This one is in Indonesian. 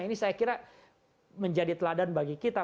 ini saya kira menjadi teladan bagi kita